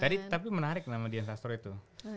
tadi tapi menarik nama dian sastro itu